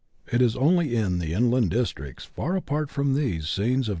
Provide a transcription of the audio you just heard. It is only in the inland districts, far apart from these scenes of CHAP.